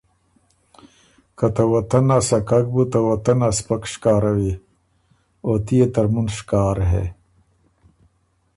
که ”ته وطن ا سکک بُو ته وطن ا سپک شکاروی؟“ او تُو يې ترمُن شکار هې